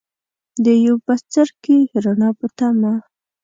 د یو بڅرکي ، رڼا پۀ تمه